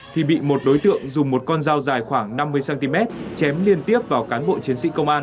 thì bị một đối tượng dùng một con dao dài khoảng năm mươi cm chém liên tiếp vào cán bộ chiến sĩ công an